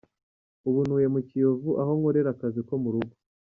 Ubu ntuye mu Kiyovu aho nkorera akazi ko murugo.